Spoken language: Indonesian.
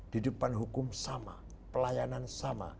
di depan hukum sama pelayanan sama